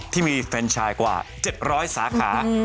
ที่มีเฟรนชายกว่า๗๐๐สาขา